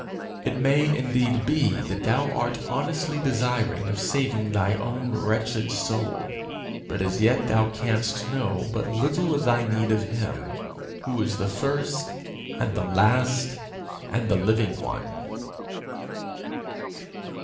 It may indeed be that thou art honestly desirous of saving thy own wretched soul, but as yet thou canst know but little of thy need of him who is the first and the last and the living one.